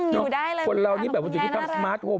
กานรอบซื้อนี่ระดับ